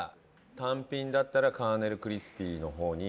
単品だったらカーネルクリスピーの方に。